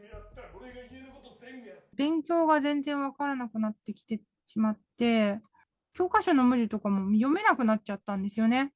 勉強が全然分からなくなってきてしまって、教科書の文字とかも読めなくなっちゃったんですよね。